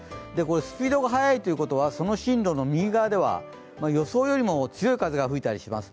スピードが速いということはその進路の右側では、予想よりも強い風が吹いたりします。